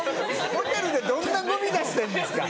ホテルでどんなゴミ出してんですか。